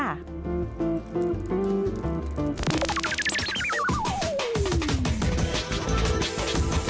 สวัสดีค่ะ